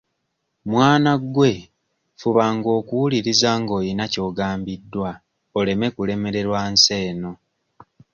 Mwana gwe fubanga okuwuliriza ng'oyina ky'ogambiddwa oleme kulemererwa nsi eno.